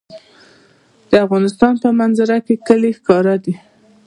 د افغانستان په منظره کې کلي ښکاره ده.